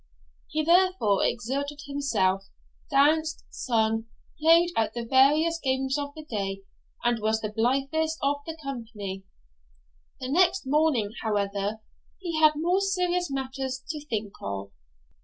He therefore exerted himself, danced, sung, played at the various games of the day, and was the blithest of the company. The next morning, however, he had more serious matters to think of.